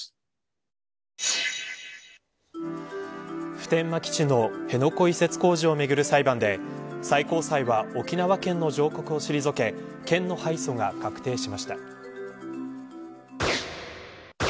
普天間基地の辺野古移設工事をめぐる裁判で最高裁は沖縄県の上告を退け県の敗訴が確定しました。